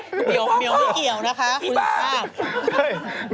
เมียวไม่เกี่ยวนะคะคุณที่รัก